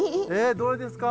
どれですか？